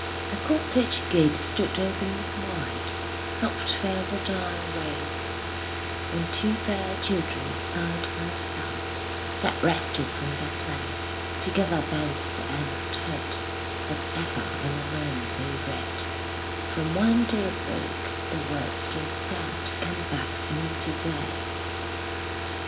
A cottage gate stood open wide: Soft fell the dying ray On two fair children, side by side, That rested from their play Together bent the earnest head, As ever and anon they read From one dear Book: the words they said Come back to me to day.